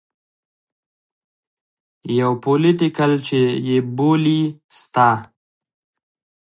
يو پوليټيکل چې يې بولي سته.